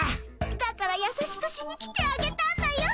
だから優しくしに来てあげたんだよ。